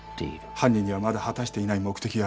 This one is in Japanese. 犯人にはまだ果たしていない目的がある。